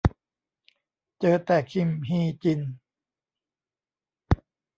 เจอแต่คิมฮีจิน